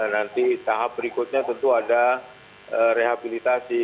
nanti tahap berikutnya tentu ada rehabilitasi